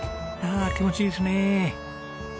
ああ気持ちいいですねえ！